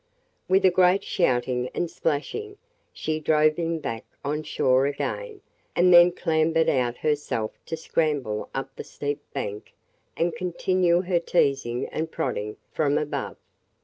With a great shouting and splashing, she drove him back on shore again and then clambered out herself to scramble up the steep bank and continue her teasing and prodding from above.